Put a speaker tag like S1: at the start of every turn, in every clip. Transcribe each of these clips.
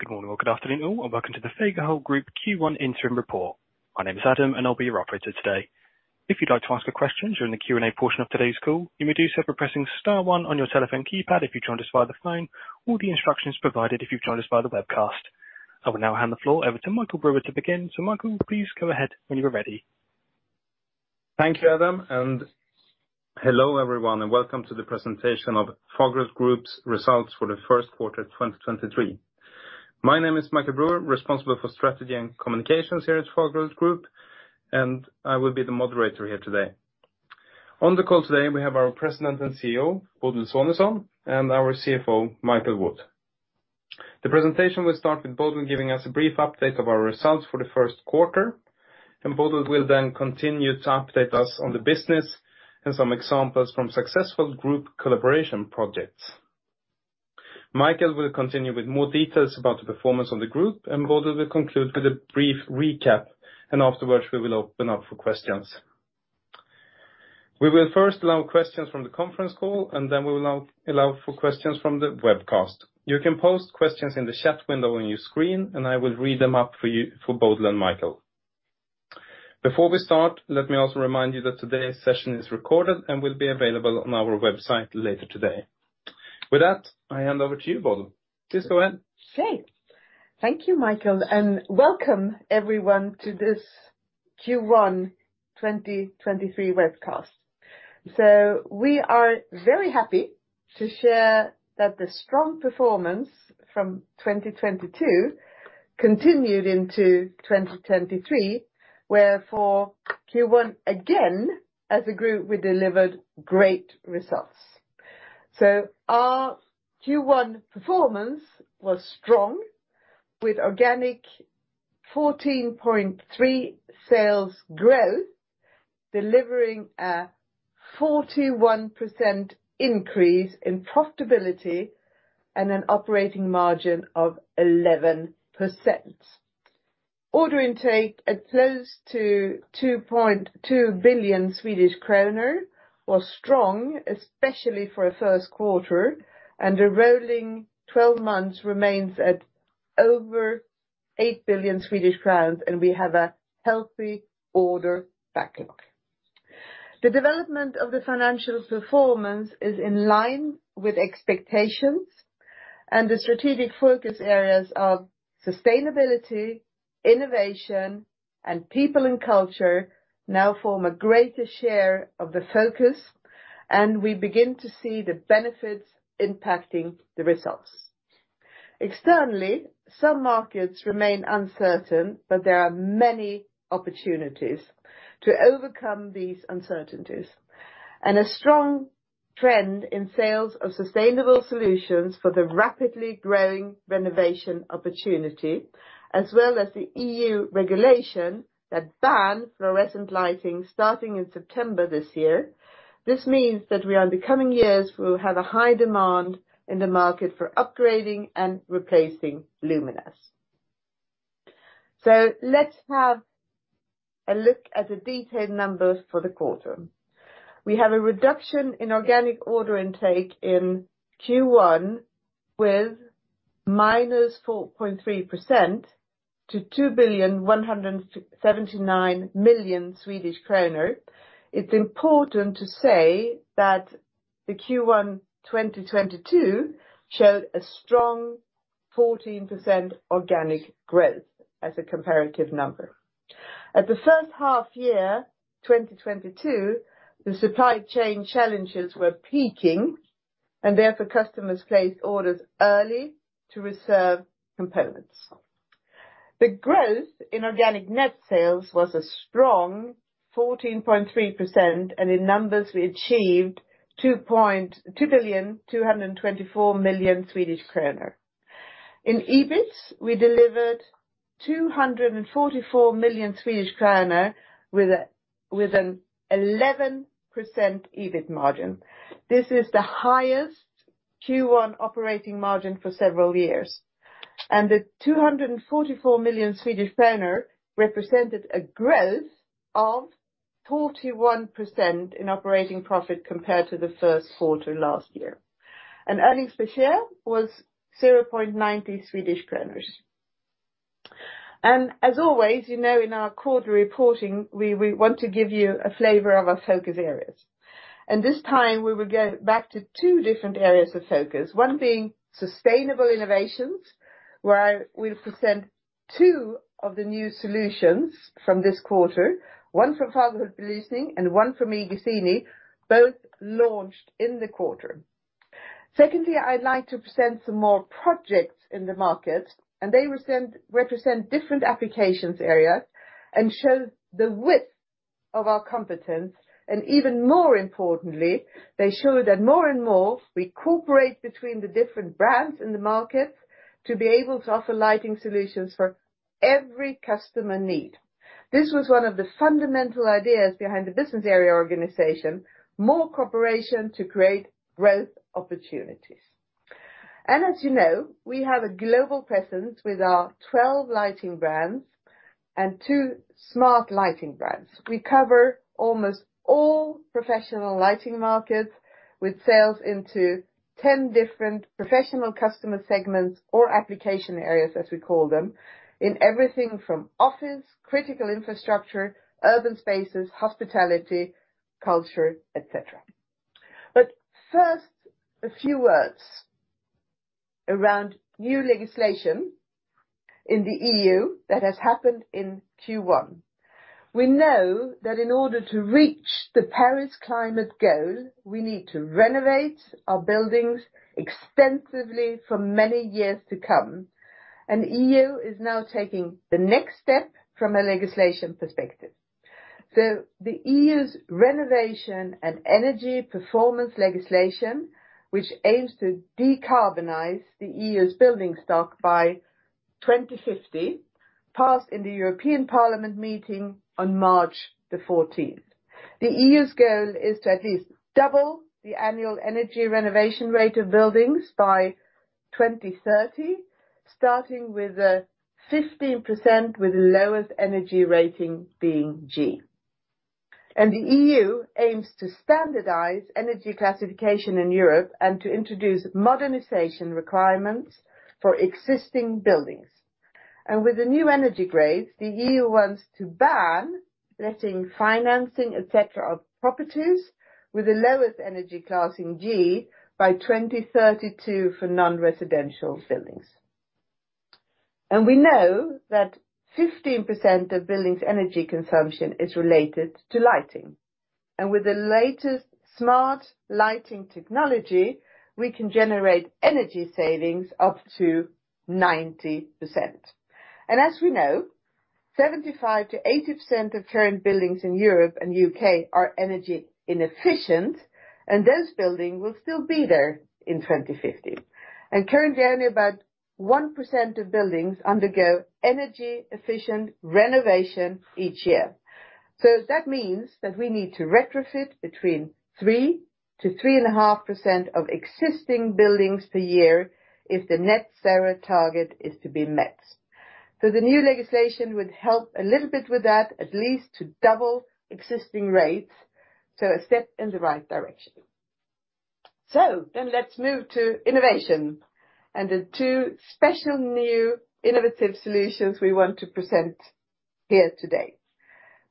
S1: Good morning or good afternoon all. Welcome to the Fagerhult Group Q1 interim report. My name is Adam. I'll be your operator today. If you'd like to ask a question during the Q&A portion of today's call, you may do so by pressing star one on your telephone keypad if you've joined us via the phone or the instructions provided if you've joined us via the webcast. I will now hand the floor over to Michael Brüerto begin. Michael, please go ahead when you are ready.
S2: Thank you, Adam. Hello everyone, and welcome to the presentation of Fagerhult Group's results for the first quarter of 2023. My name is Michael Brüer, responsible for strategy and communications here at Fagerhult Group. I will be the moderator here today. On the call today, we have our President and CEO, Bodil Sonesson, and our CFO, Michael Wood. The presentation will start with Bodil giving us a brief update of our results for the first quarter. Bodil will then continue to update us on the business and some examples from successful group collaboration projects. Michael will continue with more details about the performance of the group. Bodil will conclude with a brief recap. Afterwards we will open up for questions. We will first allow questions from the conference call. Then we will allow for questions from the webcast. You can post questions in the chat window on your screen, I will read them up for you for Bodil and Michael. Before we start, let me also remind you that today's session is recorded and will be available on our website later today. With that, I hand over to you, Bodil. Please go ahead.
S3: Okay. Thank you, Michael, and welcome everyone to this Q1 2023 webcast. We are very happy to share that the strong performance from 2022 continued into 2023, where for Q1, again, as a group, we delivered great results. Our Q1 performance was strong, with organic 14.3% sales growth, delivering a 41% increase in profitability and an operating margin of 11%. Order intake at close to 2.2 billion Swedish kronor was strong, especially for a first quarter, and the rolling twelve months remains at over 8 billion Swedish crowns, and we have a healthy order backlog. The development of the financial performance is in line with expectations and the strategic focus areas of sustainability, innovation, and people and culture now form a greater share of the focus, and we begin to see the benefits impacting the results. Externally, some markets remain uncertain, but there are many opportunities to overcome these uncertainties. A strong trend in sales of sustainable solutions for the rapidly growing renovation opportunity, as well as the EU regulation that ban fluorescent lighting starting in September this year. This means that we, in the coming years, will have a high demand in the market for upgrading and replacing luminaires. Let's have a look at the detailed numbers for the quarter. We have a reduction in organic order intake in Q1 with -4.3% to 2.179 billion Swedish kronor. It's important to say that the Q1 2022 showed a strong 14% organic growth as a comparative number. At the first half year, 2022, the supply chain challenges were peaking, and therefore customers placed orders early to reserve components. The growth in organic net sales was a strong 14.3%. In numbers, we achieved 2 billion 224 million. In EBIT, we delivered 244 million Swedish kronor with an 11% EBIT margin. This is the highest Q1 operating margin for several years. The 244 million represented a growth of 41% in operating profit compared to the first quarter last year. Earnings per share was 0.90 Swedish kronor. As always, you know in our quarter reporting we want to give you a flavor of our focus areas. This time we will get back to two different areas of focus, one being sustainable innovations, where I will present two of the new solutions from this quarter, one from Fagerhult Belysning and one from iGuzzini, both launched in the quarter. Secondly, I'd like to present some more projects in the market, they represent different applications area and show the width of our competence, and even more importantly, they show that more and more we cooperate between the different brands in the market to be able to offer lighting solutions for every customer need. This was one of the fundamental ideas behind the business area organization, more cooperation to create growth opportunities. As you know, we have a global presence with our twelve lighting brands. And two smart lighting brands. We cover almost all professional lighting markets with sales into 10 different professional customer segments or application areas, as we call them, in everything from office, critical infrastructure, urban spaces, hospitality, culture, et cetera. A few words around new legislation in the EU that has happened in Q1. We know that in order to reach the Paris climate goal, we need to renovate our buildings extensively for many years to come. EU is now taking the next step from a legislation perspective. The EU's renovation and energy performance legislation, which aims to decarbonize the EU's building stock by 2050 passed in the European Parliament meeting on March 14th. The EU's goal is to at least double the annual energy renovation rate of buildings by 2030, starting with 15% with lowest energy rating being G. The EU aims to standardize energy classification in Europe and to introduce modernization requirements for existing buildings. With the new energy grades, the EU wants to ban letting financing, et cetera, of properties with the lowest energy class in G by 2032 for non-residential buildings. We know that 15% of buildings' energy consumption is related to lighting. With the latest smart lighting technology, we can generate energy savings up to 90%. As we know, 75%-80% of current buildings in Europe and U.K. are energy inefficient, and those buildings will still be there in 2050. Currently, only about 1% of buildings undergo energy efficient renovation each year. That means that we need to retrofit between 3%-3.5% of existing buildings per year if the net zero target is to be met. The new legislation would help a little bit with that, at least to double existing rates, a step in the right direction. Let's move to innovation and the 2 special new innovative solutions we want to present here today.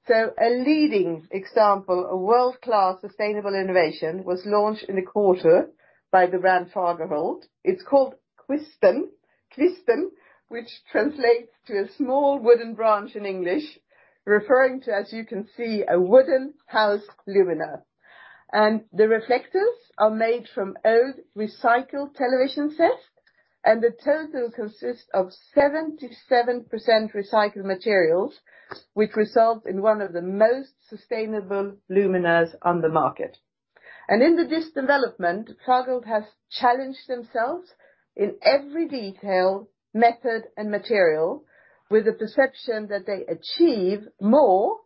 S3: A leading example of world-class sustainable innovation was launched in a quarter by the brand Fagerhult. It's called Kvisten. Kvisten, which translates to a small wooden branch in English, referring to, as you can see, a wooden house lumina. The reflectors are made from old recycled television sets, and the total consists of 77% recycled materials, which results in one of the most sustainable luminas on the market. In this development, Fagerhult has challenged themselves in every detail, method and material with the perception that they achieve more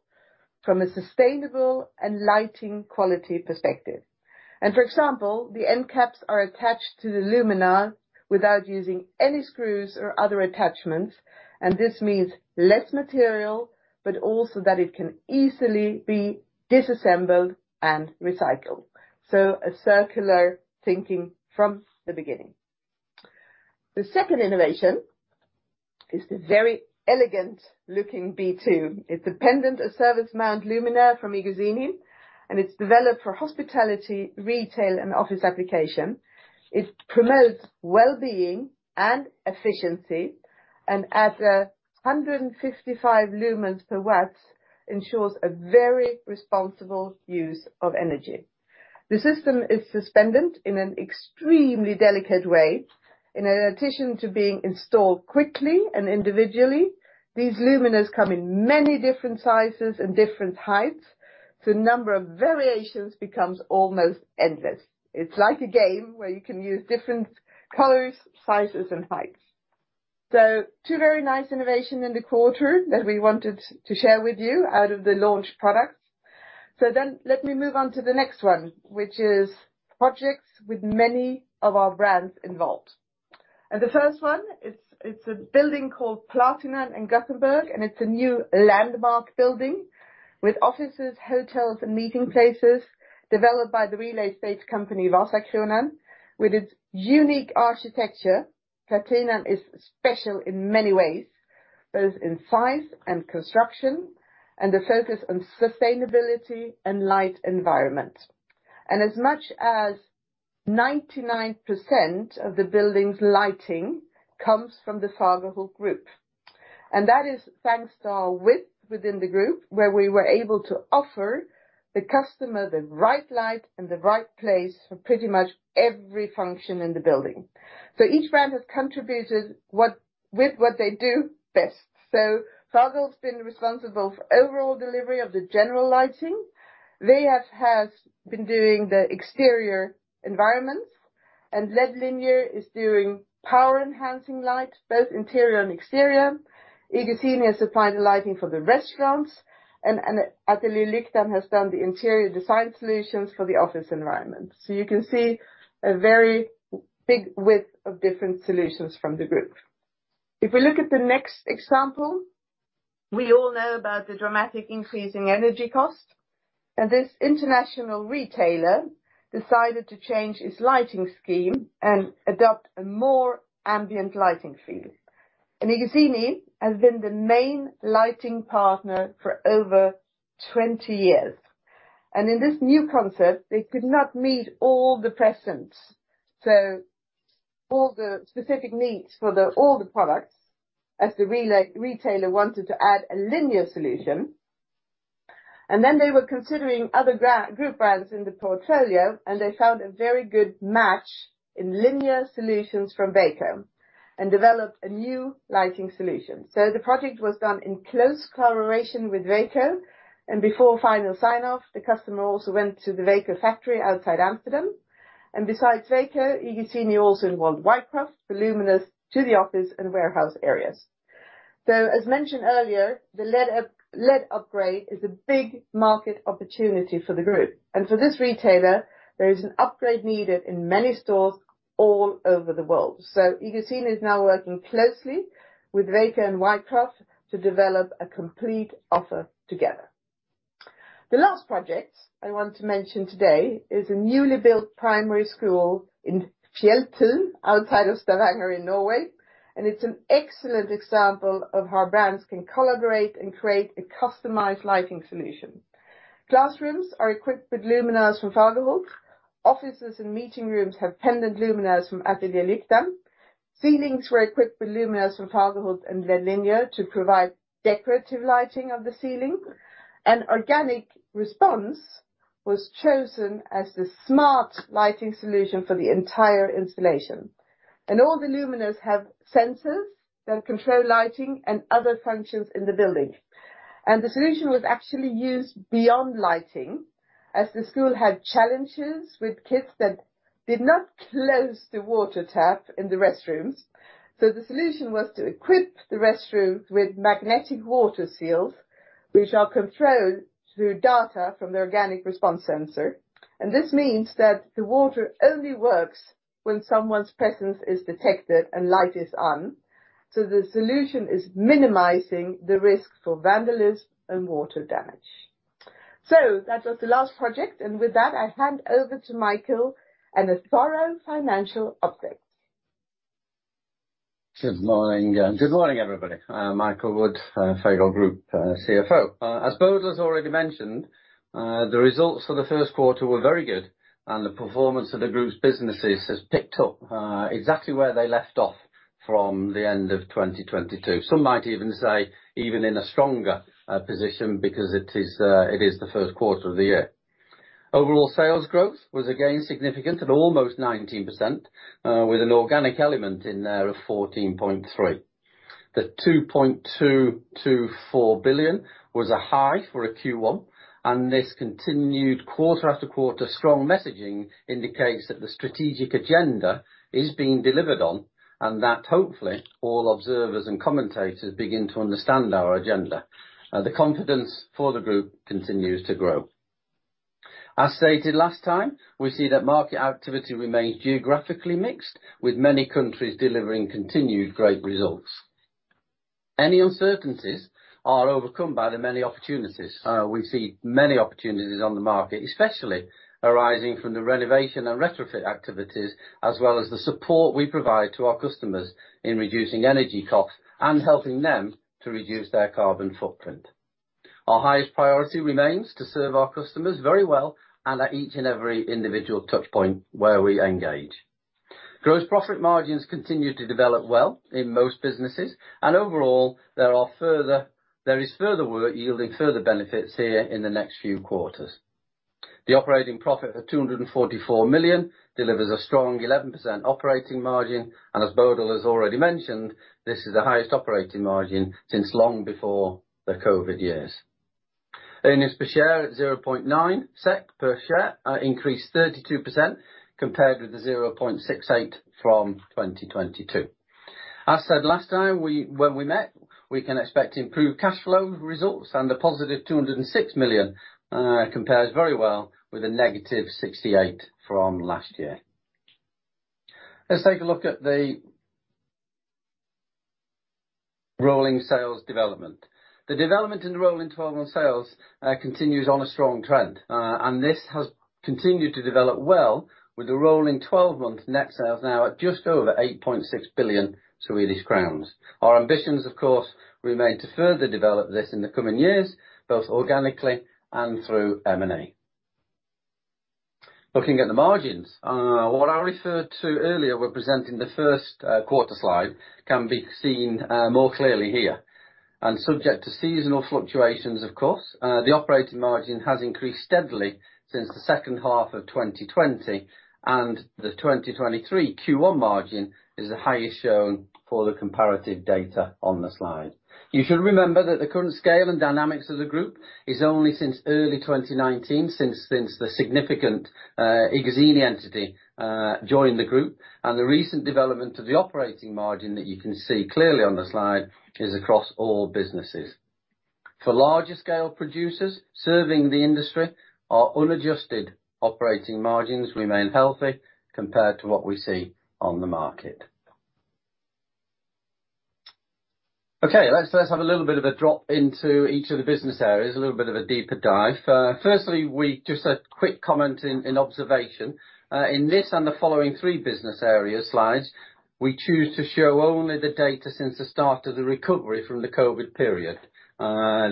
S3: from a sustainable and lighting quality perspective. For example, the end caps are attached to the lumina without using any screws or other attachments. This means less material, but also that it can easily be disassembled and recycled. A circular thinking from the beginning. The second innovation is the very elegant-looking B.Two. It's a pendant, a service mount lumina from iGuzzini, and it's developed for hospitality, retail and office application. It promotes well-being and efficiency, and at 155 lumens per watt ensures a very responsible use of energy. The system is suspended in an extremely delicate way. In addition to being installed quickly and individually, these luminas come in many different sizes and different heights, so number of variations becomes almost endless. It's like a game where you can use different colors, sizes and heights. Two very nice innovation in the quarter that we wanted to share with you out of the launch products. Let me move on to the next one, which is projects with many of our brands involved. The first one, it's a building called Platinan in Gothenburg, and it's a new landmark building with offices, hotels and meeting places developed by the real estate company Vasakronan. With its unique architecture, Platinan is special in many ways, both in size and construction, and the focus on sustainability and light environment. As much as 99% of the building's lighting comes from the Fagerhult Group. That is thanks to our width within the group, where we were able to offer the customer the right light in the right place for pretty much every function in the building. Each brand has contributed with what they do best. Fagerhult's been responsible for overall delivery of the general lighting. They has been doing the exterior environments, and LED Linear is doing power-enhancing light, both interior and exterior. iGuzzini has supplied the lighting for the restaurants, and ateljé Lyktan has done the interior design solutions for the office environment. You can see a very big width of different solutions from the group. If we look at the next example. We all know about the dramatic increase in energy cost, and this international retailer decided to change its lighting scheme and adopt a more ambient lighting feel. iGuzzini has been the main lighting partner for over 20 years. In this new concept, they could not meet all the presents. All the specific needs for all the products as the retailer wanted to add a linear solution. They were considering other group brands in the portfolio, and they found a very good match in linear solutions from VEKO and developed a new lighting solution. The project was done in close collaboration with VEKO, and before final sign-off, the customer also went to the VEKO factory outside Amsterdam. Besides VEKO, iGuzzini also involved Whitecroft Lighting to the office and warehouse areas. As mentioned earlier, the lead upgrade is a big market opportunity for the group. For this retailer, there is an upgrade needed in many stores all over the world. iGuzzini is now working closely with VEKO and Whitecroft Lighting to develop a complete offer together. The last project I want to mention today is a newly built primary school in Fjelltun, outside of Stavanger in Norway. It's an excellent example of how brands can collaborate and create a customized lighting solution. Classrooms are equipped with luminaires from Fagerhult. Offices and meeting rooms have pendant luminaires from ateljé Lyktan. Ceilings were equipped with luminaires from Fagerhult and Linea to provide decorative lighting of the ceiling. Organic Response was chosen as the smart lighting solution for the entire installation. All the luminaires have sensors that control lighting and other functions in the building. The solution was actually used beyond lighting, as the school had challenges with kids that did not close the water tap in the restrooms. The solution was to equip the restroom with magnetic water seals, which are controlled through data from the Organic Response sensor. This means that the water only works when someone's presence is detected and light is on. The solution is minimizing the risk for vandalism and water damage. That was the last project, and with that, I hand over to Michael and a thorough financial update.
S4: Good morning. Good morning, everybody. I'm Michael Wood, Fagerhult Group, CFO. As Bodil has already mentioned, the results for the first quarter were very good. The performance of the group's businesses has picked up exactly where they left off from the end of 2022. Some might even say even in a stronger position because it is the first quarter of the year. Overall sales growth was again significant at almost 19%, with an organic element in there of 14.3%. The 2.224 billion was a high for a Q1. This continued quarter after quarter strong messaging indicates that the strategic agenda is being delivered on, and that hopefully all observers and commentators begin to understand our agenda. The confidence for the group continues to grow. As stated last time, we see that market activity remains geographically mixed, with many countries delivering continued great results. Any uncertainties are overcome by the many opportunities. We see many opportunities on the market, especially arising from the renovation and retrofit activities, as well as the support we provide to our customers in reducing energy costs and helping them to reduce their carbon footprint. Our highest priority remains to serve our customers very well and at each and every individual touch point where we engage. Gross profit margins continue to develop well in most businesses, and overall, there is further work yielding further benefits here in the next few quarters. The operating profit of 244 million delivers a strong 11% operating margin, and as Bodil has already mentioned, this is the highest operating margin since long before the COVID years. Earnings per share at 0.9 SEK per share increased 32% compared with the 0.68 from 2022. As said last time when we met, we can expect improved cash flow results and a positive 206 million compares very well with a negative 68 from last year. Let's take a look at the rolling sales development. The development in rolling twelve months sales continues on a strong trend. This has continued to develop well with the rolling twelve months net sales now at just over 8.6 billion Swedish crowns. Our ambitions, of course, remain to further develop this in the coming years, both organically and through M&A. Looking at the margins, what I referred to earlier, we're presenting the first quarter slide, can be seen more clearly here. Subject to seasonal fluctuations, of course, the operating margin has increased steadily since the second half of 2020, and the 2023 Q1 margin is the highest shown for the comparative data on the slide. You should remember that the current scale and dynamics of the group is only since early 2019, since the significant iGuzzini entity joined the group, and the recent development of the operating margin that you can see clearly on the slide is across all businesses. For larger scale producers serving the industry, our unadjusted operating margins remain healthy compared to what we see on the market. Okay, let's have a little bit of a drop into each of the business areas, a little bit of a deeper dive. Firstly, just a quick comment and observation. In this and the following three business area slides, we choose to show only the data since the start of the recovery from the COVID period.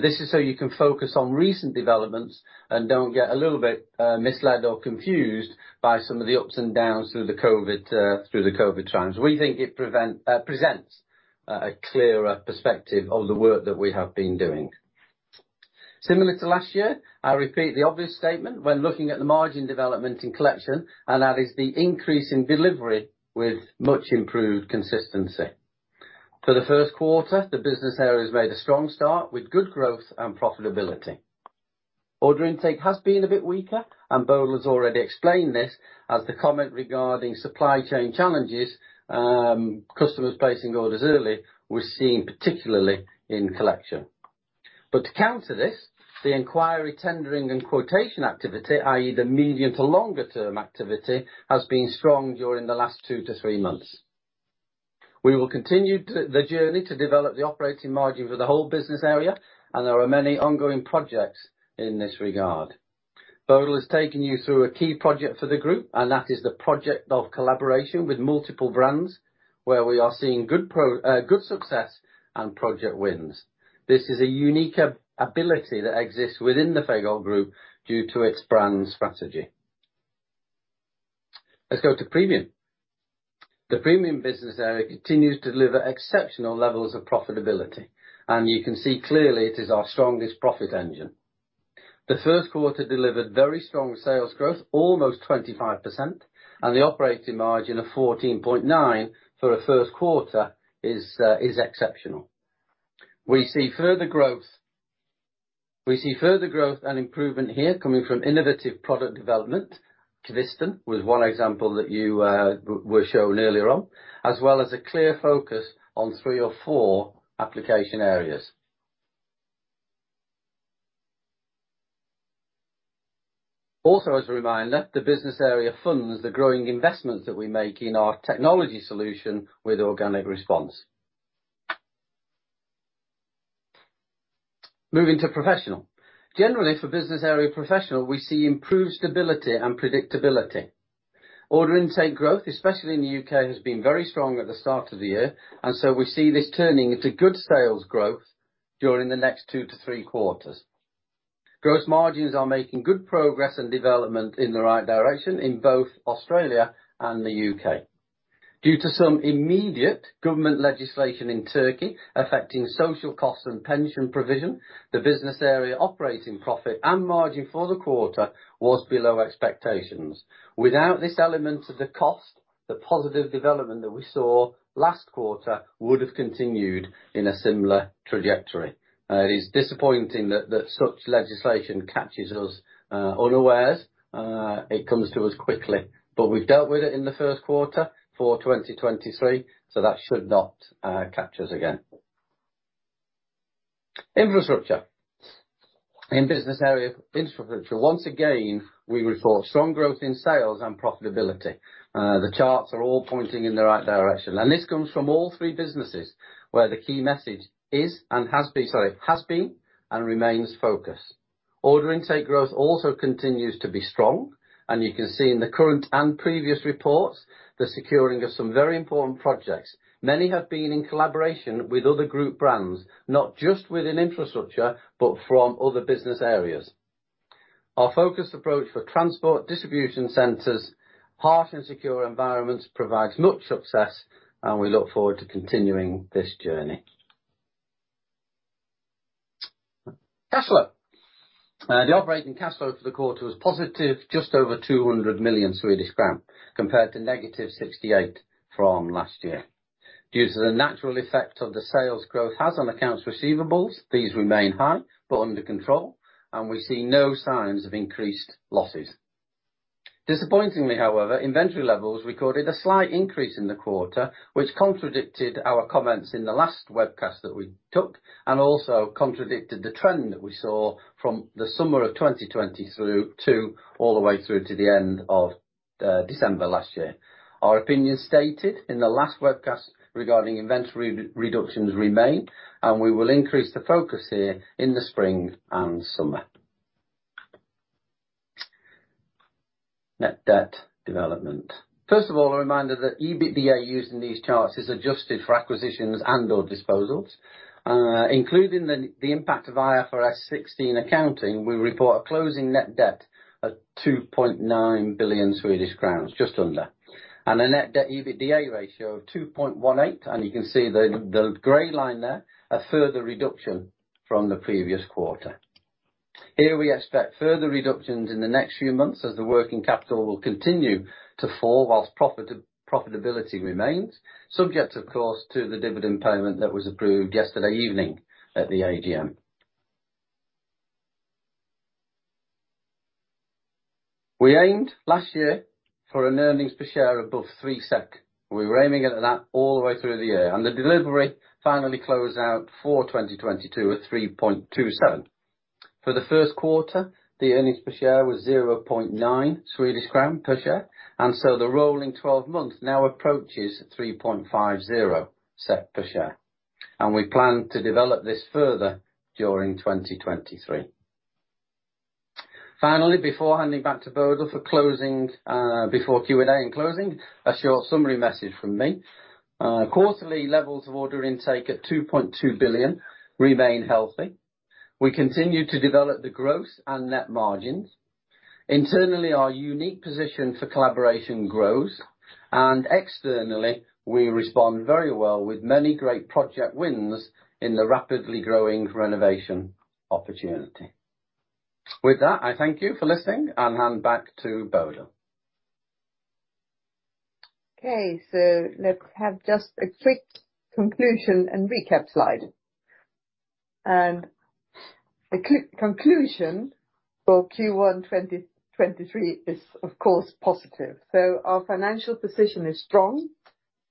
S4: This is so you can focus on recent developments and don't get a little bit misled or confused by some of the ups and downs through the COVID, through the COVID times. We think it presents a clearer perspective of the work that we have been doing. Similar to last year, I repeat the obvious statement when looking at the margin development in Collection, and that is the increase in delivery with much improved consistency. For the first quarter, the business area has made a strong start with good growth and profitability. Order intake has been a bit weaker, Bodil has already explained this as the comment regarding supply chain challenges, customers placing orders early was seen particularly in Collection. To counter this, the inquiry tendering and quotation activity, i.e., the medium to longer term activity, has been strong during the last two to three months. We will continue the journey to develop the operating margin for the whole business area. There are many ongoing projects in this regard. Bodil has taken you through a key project for the group, and that is the project of collaboration with multiple brands where we are seeing good success and project wins. This is a unique ability that exists within the Fagerhult Group due to its brand strategy. Let's go to Premium. The Premium business area continues to deliver exceptional levels of profitability, and you can see clearly it is our strongest profit engine. The first quarter delivered very strong sales growth, almost 25%, and the operating margin of 14.9 for a first quarter is exceptional. We see further growth. We see further growth and improvement here coming from innovative product development. Kvisten was one example that you were shown earlier on, as well as a clear focus on three or four application areas. Also as a reminder, the business area funds the growing investments that we make in our technology solution with Organic Response. Moving to Professional. Generally, for business area Professional, we see improved stability and predictability. Order intake growth, especially in the U.K., has been very strong at the start of the year, we see this turning into good sales growth during the next 2-3 quarters. Gross margins are making good progress and development in the right direction in both Australia and the U.K. Due to some immediate government legislation in Turkey affecting social costs and pension provision, the business area operating profit and margin for the quarter was below expectations. Without this element of the cost, the positive development that we saw last quarter would have continued in a similar trajectory. It is disappointing that such legislation catches us unawares, it comes to us quickly. We've dealt with it in the first quarter for 2023, so that should not capture us again. Infrastructure. In business area Infrastructure, once again, we report strong growth in sales and profitability. The charts are all pointing in the right direction, this comes from all three businesses where the key message has been and remains focused. Order intake growth also continues to be strong, you can see in the current and previous reports the securing of some very important projects. Many have been in collaboration with other group brands, not just within Infrastructure, but from other business areas. Our focused approach for transport, distribution centers, harsh and secure environments provides much success, we look forward to continuing this journey. Cash flow. The operating cash flow for the quarter was positive, just over 200 million Swedish crown, compared to negative 68 million from last year. Due to the natural effect of the sales growth has on accounts receivables, these remain high but under control, and we see no signs of increased losses. Disappointingly, however, inventory levels recorded a slight increase in the quarter, which contradicted our comments in the last webcast that we took, and also contradicted the trend that we saw from the summer of 2020 through to all the way through to the end of December last year. Our opinion stated in the last webcast regarding inventory re-reductions remain, and we will increase the focus here in the spring and summer. Net debt development. First of all, a reminder that EBITDA used in these charts is adjusted for acquisitions and/or disposals. Including the impact of IFRS 16 accounting, we report a closing net debt of 2.9 billion Swedish crowns, just under, and a net debt/EBITDA ratio of 2.18. You can see the gray line there, a further reduction from the previous quarter. Here we expect further reductions in the next few months as the working capital will continue to fall whilst profitability remains, subject of course to the dividend payment that was approved yesterday evening at the AGM. We aimed last year for an earnings per share above 3 SEK. We were aiming at that all the way through the year, and the delivery finally closed out for 2022 at 3.27. For the first quarter, the earnings per share was 0.9 Swedish crown per share, the rolling twelve months now approaches 3.50 SEK per share. We plan to develop this further during 2023. Finally, before handing back to Bodil for closing, before Q&A and closing, a short summary message from me. Quarterly levels of order intake at 2.2 billion remain healthy. We continue to develop the growth and net margins. Internally, our unique position for collaboration grows, and externally, we respond very well with many great project wins in the rapidly growing renovation opportunity. I thank you for listening and hand back to Bodil.
S3: Okay, let's have just a quick conclusion and recap slide. A conclusion for Q1 2023 is of course, positive. Our financial position is strong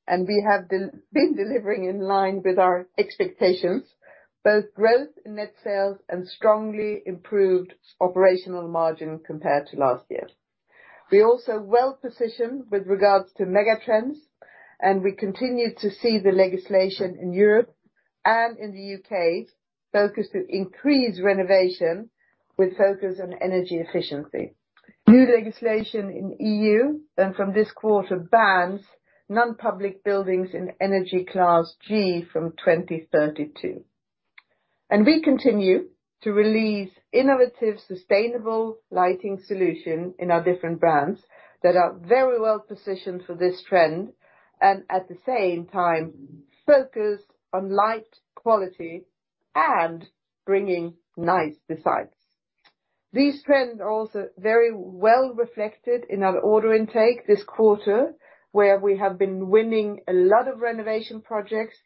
S3: and we have been delivering in line with our expectations, both growth in net sales and strongly improved operational margin compared to last year. We're also well-positioned with regards to megatrends, we continue to see the legislation in Europe and in the U.K. focused to increase renovation with focus on energy efficiency. New legislation in E.U. from this quarter bans non-public buildings in energy class G from 2032. We continue to release innovative, sustainable lighting solution in our different brands that are very well positioned for this trend, and at the same time, focus on light quality and bringing nice designs. These trends are also very well reflected in our order intake this quarter, where we have been winning a lot of renovation projects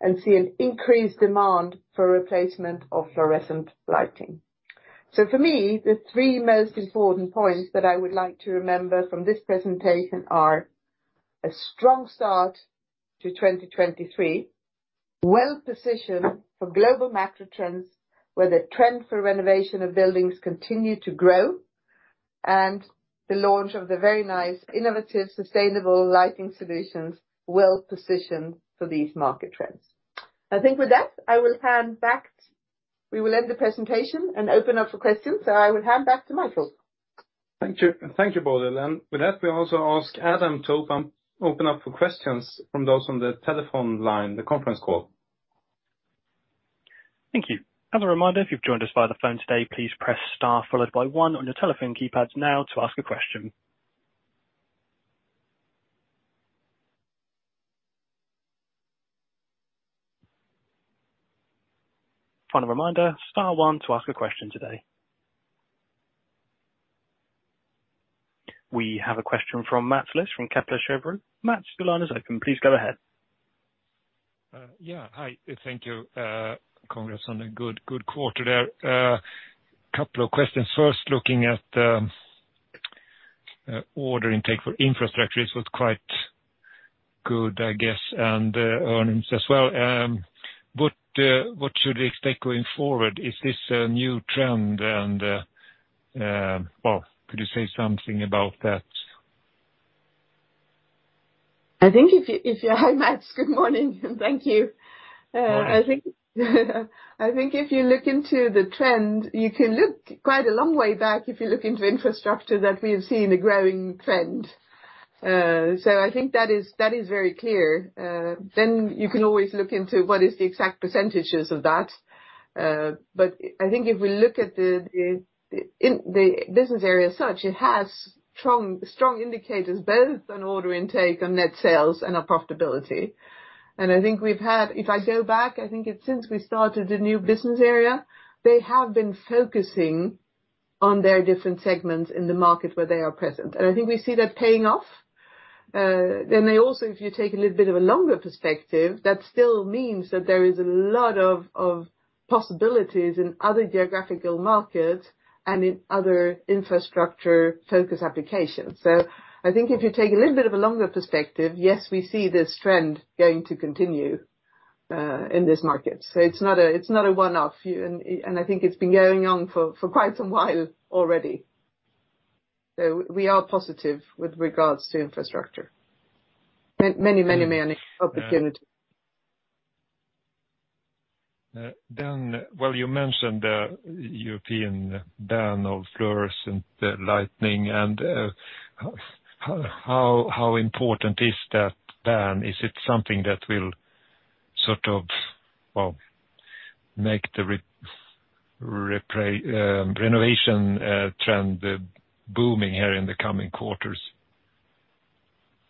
S3: and see an increased demand for replacement of fluorescent lighting. For me, the three most important points that I would like to remember from this presentation are: a strong start to 2023, well-positioned for global macro trends, where the trend for renovation of buildings continue to grow, and the launch of the very nice innovative, sustainable lighting solutions well positioned for these market trends. I think with that, I will hand back. We will end the presentation and open up for questions. I will hand back to Michael.
S2: Thank you. Thank you, Bodil. With that, we also ask Adam to open up for questions from those on the telephone line, the conference call.
S1: Thank you. As a reminder, if you've joined us via the phone today, please press star followed by 1 on your telephone keypads now to ask a question. Final reminder, star 1 to ask a question today. We have a question from Mats Liss from Kepler Cheuvreux. Mats, your line is open. Please go ahead.
S5: Yeah. Hi. Thank you. Congrats on a good quarter there. Couple of questions. First, looking at order intake for Infrastructure, it was quite good, I guess, and earnings as well. What should we expect going forward? Is this a new trend? Well, could you say something about that?
S3: I think if you. Hi, Mats. Good morning. Thank you.
S5: Hi.
S3: I think if you look into the trend, you can look quite a long way back if you look into Infrastructure that we have seen a growing trend. I think that is very clear. You can always look into what is the exact percentages of that. I think if we look at the business area as such, it has strong indicators, both on order intake and net sales and our profitability. If I go back, I think it's since we started a new business area, they have been focusing on their different segments in the market where they are present. I think we see that paying off. They also, if you take a little bit of a longer perspective, that still means that there is a lot of possibilities in other geographical markets and in other infrastructure-focused applications. I think if you take a little bit of a longer perspective, yes, we see this trend going to continue in this market. It's not a, it's not a one-off. I think it's been going on for quite some while already. We are positive with regards to infrastructure. Many opportunities.
S5: Well, you mentioned the E.U. ban of fluorescent lighting and, how important is that ban? Is it something that will sort of, well, make the renovation trend booming here in the coming quarters?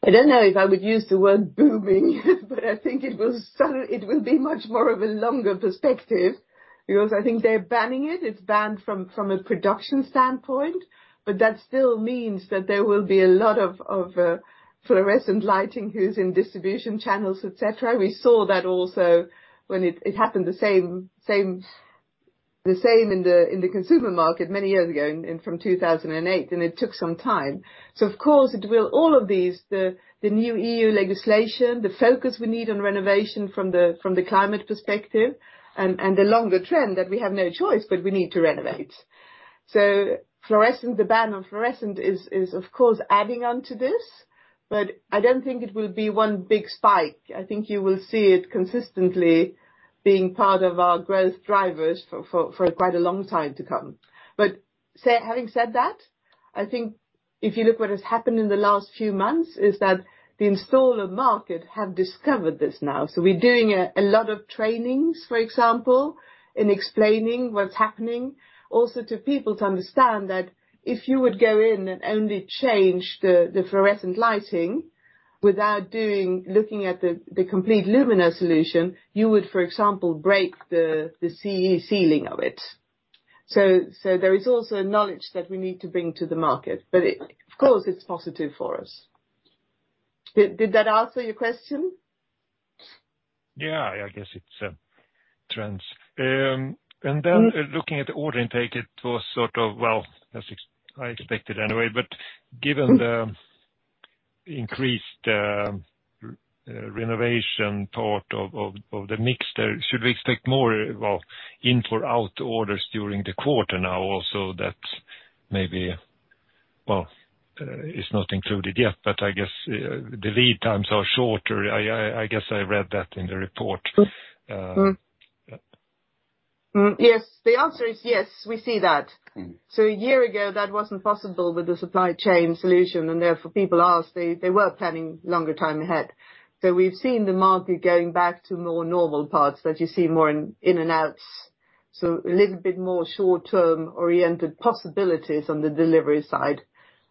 S3: I don't know if I would use the word booming but I think it will sort of, it will be much more of a longer perspective, because I think they're banning it. It's banned from a production standpoint, but that still means that there will be a lot of fluorescent lighting who's in distribution channels, et cetera. We saw that also when it happened the same in the, in the consumer market many years ago, in from 2008, and it took some time. Of course it will. All of these, the new E.U. legislation, the focus we need on renovation from the, from the climate perspective and the longer trend that we have no choice but we need to renovate. Fluorescent, the ban on fluorescent is of course adding on to this, but I don't think it will be one big spike. I think you will see it consistently being part of our growth drivers for quite a long time to come. Say, having said that, I think if you look what has happened in the last few months, is that the installer market have discovered this now. We're doing a lot of trainings, for example, in explaining what's happening. Also to people to understand that if you would go in and only change the fluorescent lighting without looking at the complete luminaire solution, you would, for example, break the CE ceiling of it. There is also knowledge that we need to bring to the market. It, of course, is positive for us. Did that answer your question?
S5: Yeah. I guess it's trends. Looking at the order intake, it was sort of, well, as I expected anyway. Given the increased renovation part of the mix, there, should we expect more, well, in for out orders during the quarter now also that maybe, well, is not included yet. I guess the lead times are shorter. I guess I read that in the report.
S3: Yes. The answer is yes. We see that. A year ago, that wasn't possible with the supply chain solution, and therefore people asked. They were planning longer time ahead. We've seen the market going back to more normal parts that you see more in and outs. A little bit more short-term oriented possibilities on the delivery side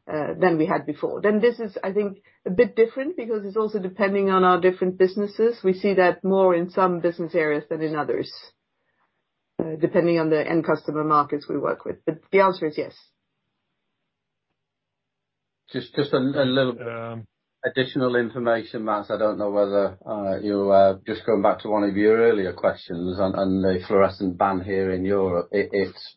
S3: than we had before. This is I think a bit different because it's also depending on our different businesses. We see that more in some business areas than in others, depending on the end customer markets we work with. The answer is yes.
S4: Just a. additional information, Mats. I don't know whether you just going back to one of your earlier questions on the fluorescent ban here in Europe. It's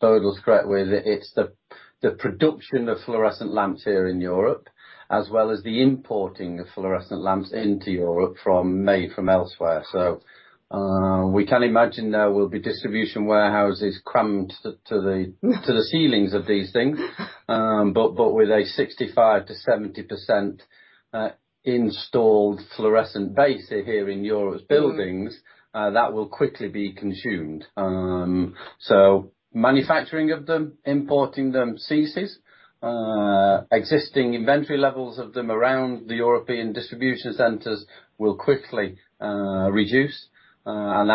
S5: Great.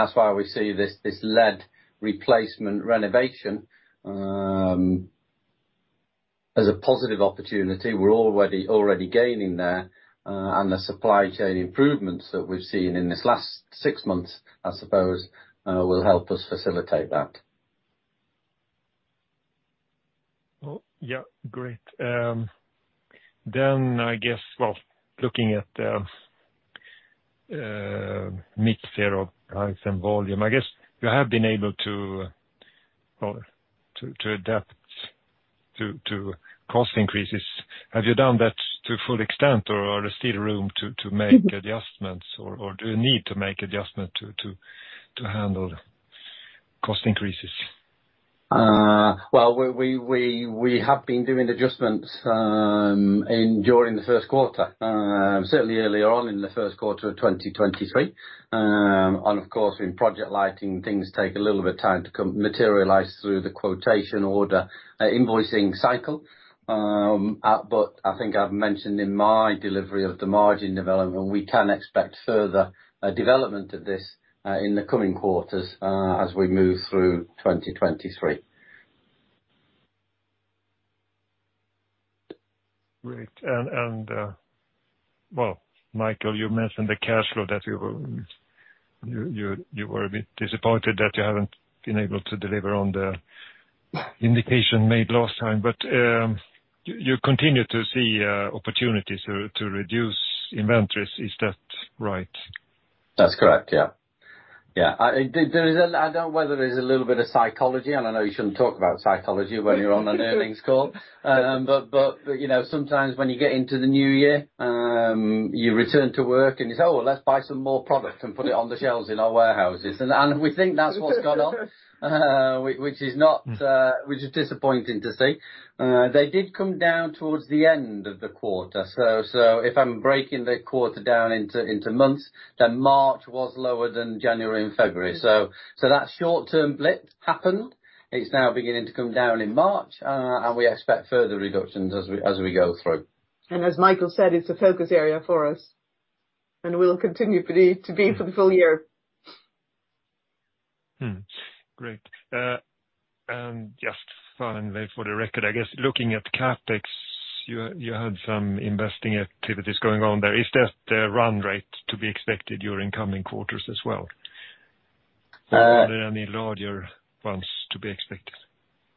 S5: I guess, well, looking at the mix here of price and volume, I guess you have been able to adapt to cost increases. Have you done that to full extent or is still room to make adjustments? Do you need to make adjustment to handle cost increases?
S4: Well, we have been doing adjustments during the first quarter. Certainly early on in the first quarter of 2023. Of course in project lighting, things take a little bit of time to materialize through the quotation order, invoicing cycle. I think I've mentioned in my delivery of the margin development, we can expect further development of this in the coming quarters as we move through 2023.
S5: Great. Well, Michael, you mentioned the cash flow that you were a bit disappointed that you haven't been able to deliver on the indication made last time. You continue to see opportunities to reduce inventories. Is that right?
S4: That's correct. Yeah. Yeah. I don't know whether there's a little bit of psychology, and I know you shouldn't talk about psychology when you're on an earnings call. You know, sometimes when you get into the new year, you return to work and you say, "Oh, let's buy some more product and put it on the shelves in our warehouses." We think that's what's gone on, which is not, which is disappointing to see. They did come down towards the end of the quarter. If I'm breaking the quarter down into months, then March was lower than January and February. That short-term blip happened. It's now beginning to come down in March, and we expect further reductions as we go through.
S3: As Michael said, it's a focus area for us, and will continue to be for the full year.
S5: Great. Just finally for the record, I guess looking at CapEx, you had some investing activities going on there. Is that the run rate to be expected during coming quarters as well? Are there any larger ones to be expected?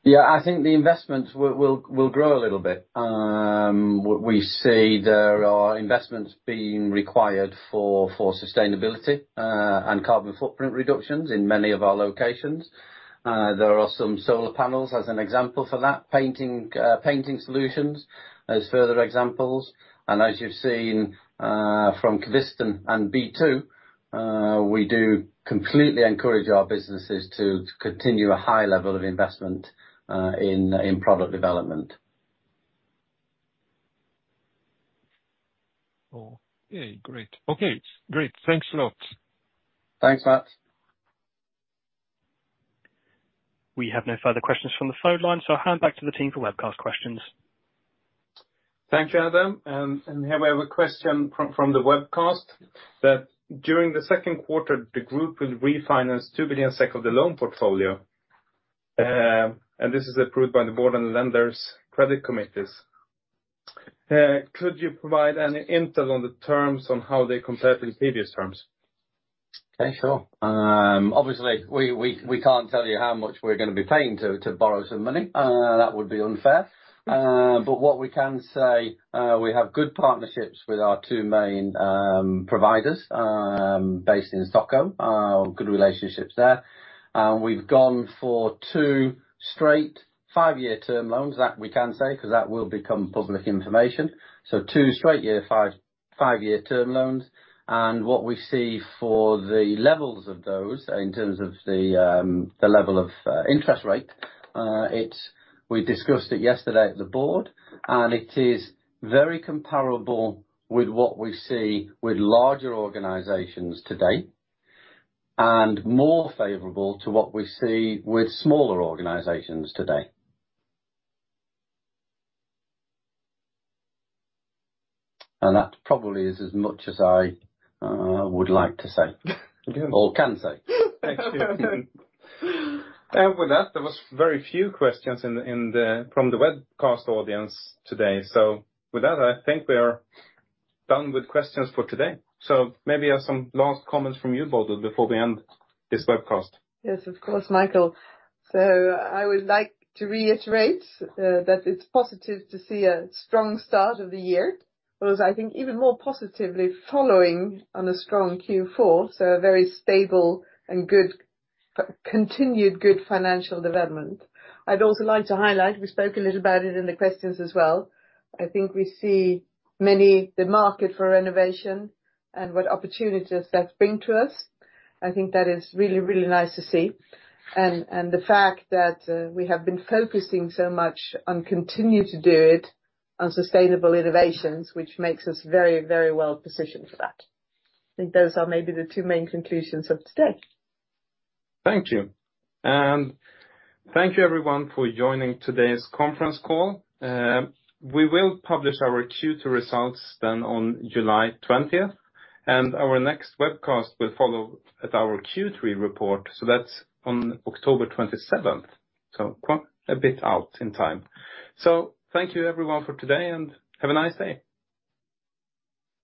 S4: Yeah, I think the investments will grow a little bit. We see there are investments being required for sustainability and carbon footprint reductions in many of our locations. There are some solar panels as an example for that. Painting solutions as further examples. As you've seen from Kvisten and BeTwo, we do completely encourage our businesses to continue a high level of investment in product development.
S6: Oh, yeah. Great. Okay, great. Thanks a lot.
S4: Thanks, Mats.
S1: We have no further questions from the phone line. I'll hand back to the team for webcast questions.
S6: Thank you, Adam. Here we have a question from the webcast. That during the second quarter, the group will refinance 2 billion SEK of the loan portfolio. This is approved by the board and lenders credit committees. Could you provide any intel on the terms on how they compare to the previous terms?
S4: Okay, sure. Obviously, we can't tell you how much we're gonna be paying to borrow some money. That would be unfair. What we can say, we have good partnerships with our 2 main providers, based in Stockholm, good relationships there. We've gone for 2 straight five-year term loans. That we can say, 'cause that will become public information. 2 straight five-year term loans. What we see for the levels of those in terms of the level of interest rate, we discussed it yesterday at the board, and it is very comparable with what we see with larger organizations today, and more favorable to what we see with smaller organizations today. That probably is as much as I would like to say or can say.
S6: Thank you. With that, there was very few questions from the webcast audience today. With that, I think we are done with questions for today. Maybe there are some last comments from you both before we end this webcast.
S3: Yes, of course, Michael. I would like to reiterate, that it's positive to see a strong start of the year, whereas I think even more positively following on a strong Q4. A very stable and continued good financial development. I'd also like to highlight, we spoke a little about it in the questions as well, I think we see many the market for renovation and what opportunities that's bring to us. I think that is really, really nice to see. The fact that, we have been focusing so much, and continue to do it on sustainable innovations, which makes us very, very well-positioned for that. I think those are maybe the two main conclusions of today.
S6: Thank you. Thank you everyone for joining today's conference call. We will publish our Q2 results then on July 20th. Our next webcast will follow at our Q3 report. That's on October 27th. A bit out in time. Thank you everyone for today, and have a nice day.